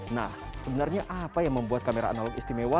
nah sebenarnya apa yang membuat kamera analog istimewa